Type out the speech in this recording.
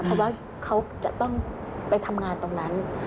เพราะว่าเขาจะต้องไปทำงานตรงนั้น